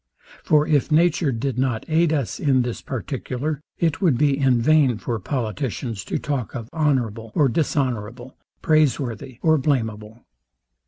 For if nature did not aid us in this particular, it would be in vain for politicians to talk of honourable or dishonourable, praiseworthy or blameable.